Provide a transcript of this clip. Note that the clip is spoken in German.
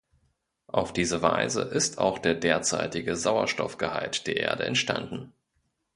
Auf diese Weise ist auch der derzeitige Sauerstoffgehalt der Erde entstanden.